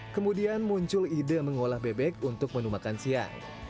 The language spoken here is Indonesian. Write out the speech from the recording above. kemudian muncul ide mengolah bebek untuk menu makan siang